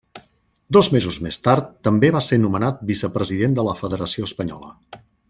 Dos mesos més tard també va ser nomenat vicepresident de la Federació Espanyola.